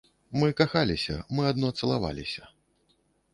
Мы кахаліся, мы адно цалаваліся.